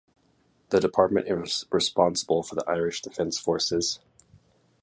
The Department is responsible for the Irish Defence Forces.